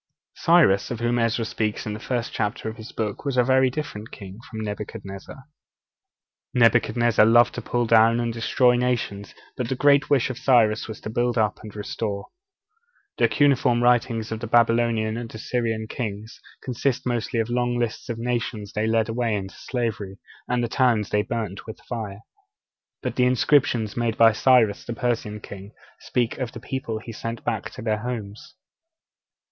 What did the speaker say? Cyrus, of whom Ezra speaks in the first chapter of his book, was a very different king from Nebuchadnezzar. Nebuchadnezzar loved to pull down and destroy nations; but the great wish of Cyrus was to build up and restore. The cuneiform writings of the old Babylonian and Assyrian kings consist mostly of long lists of the nations they led away into slavery and the towns they burnt with fire; but the inscriptions made by Cyrus, the Persian king, speak of the people he sent back to their homes.